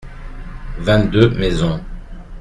Vingt-deux maisons.